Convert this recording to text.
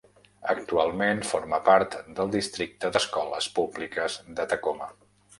Actualment forma part del districte d'escoles públiques de Tacoma.